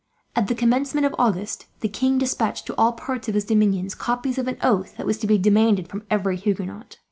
At the commencement of August the king despatched, to all parts of his dominions, copies of an oath that was to be demanded from every Huguenot.